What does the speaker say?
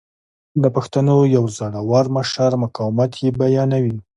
د پښتنو یو زړه ور مشر مقاومت یې بیانوي.